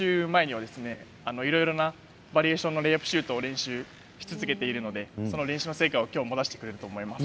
いろいろなバリエーションを練習し続けているのでその練習の成果をきょうも出してくれると思います。